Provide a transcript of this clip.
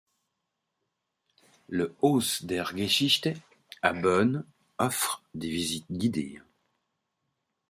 Le Haus der Geschichte à Bonn offre des visites guidées.